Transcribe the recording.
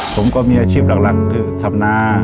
ผมก็มีอาชีพหลักคือทำนา